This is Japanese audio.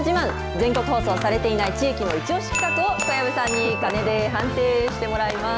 全国放送されていない地域の一押し企画を、小籔さんに鐘で判定してもらいます。